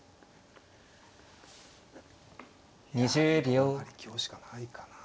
いや同成香しかないかな。